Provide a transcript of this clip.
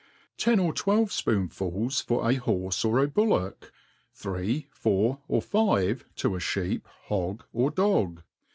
Ten or twelve fpoonfuls for a horfe or a bullock ; three, four, or five to a (heep, hog, or dog.